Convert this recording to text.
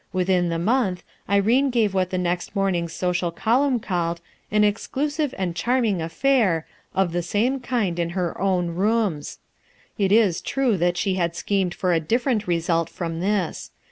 Within the month, Irene gave what the next morning's social column called "an exclusive and charming affair" of the same kind in her own rooms. It is true that she had schemed for a different result from this.